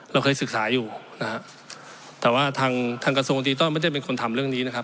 เราเคยศึกษาอยู่นะฮะแต่ว่าทางทางกระทรวงดิจิทัลไม่ได้เป็นคนทำเรื่องนี้นะครับ